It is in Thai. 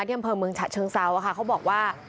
อำเภอเมืองฉะเชิงเซาค่ะเขาบอกว่า